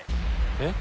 えっ！